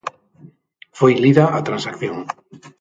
Foi lida a transacción.